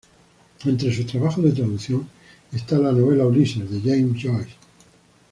Entre sus trabajos de traducción está la novela "Ulises", de James Joyce.